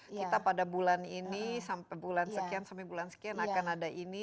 kita pada bulan ini sampai bulan sekian sampai bulan sekian akan ada ini